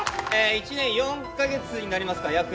１年４か月になりますか約。